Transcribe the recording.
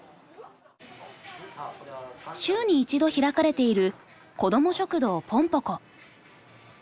週に一度開かれているこども食堂ぽんぽこ。